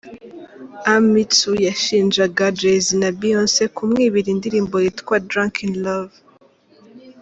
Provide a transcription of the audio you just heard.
a Mitsou yashinjaga Jay Z na Beyonce ku mwibira indirimbo yitwa ‘Drunk in Love’.